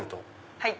はい。